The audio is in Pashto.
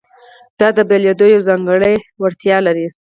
دا د بدلېدو یوه ځانګړې وړتیا لري.